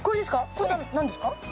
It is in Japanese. これ何ですか？